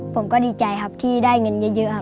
ผมก็ดีใจครับที่ได้เงินเยอะครับ